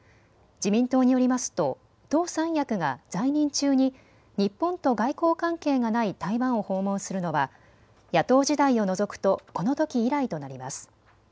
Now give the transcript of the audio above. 自民党によりますと党三役が在任中に日本と外交関係がない台湾を訪問するのは野党時代を除くとこのとき以来となります。